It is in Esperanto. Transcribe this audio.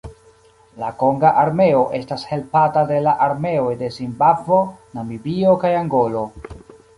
La konga armeo estas helpata de la armeoj de Zimbabvo, Namibio kaj Angolo.